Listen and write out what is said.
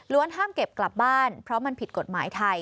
ห้ามเก็บกลับบ้านเพราะมันผิดกฎหมายไทย